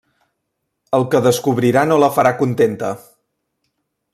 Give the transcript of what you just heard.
El que descobrirà no la farà contenta.